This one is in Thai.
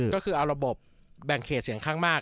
ก็คือเอาระบบแบ่งเขตเสียงข้างมาก